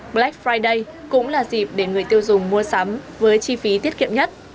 black friday cũng là dịp để người tiêu dùng mua sắm với chi phí tiết kiệm nhất